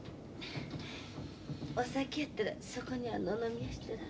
お酒やったらそこにあるの飲みやしたら？